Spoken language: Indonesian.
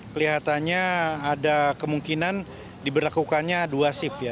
kelihatannya ada kemungkinan diberlakukannya dua shift ya